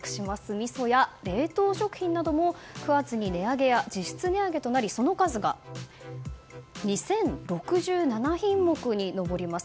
みそや冷凍食品なども９月に値上げや実質値上げとなりその数が２０６７品目に上ります。